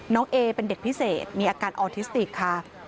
เอเป็นเด็กพิเศษมีอาการออทิสติกค่ะ